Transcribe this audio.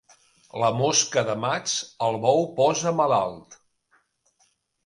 La mosca de maig, el bou posa malalt.